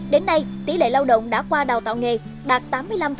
đến nay tỉ lệ lao động đã qua đào tạo nghề đạt tám mươi năm hai